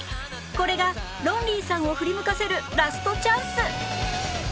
これがロンリーさんを振り向かせるラストチャンス